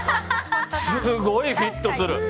すごいフィットする！